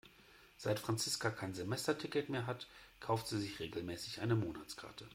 Seit Franziska kein Semesterticket mehr hat, kauft sie sich regelmäßig eine Monatskarte.